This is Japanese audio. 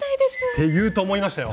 ていうと思いましたよ。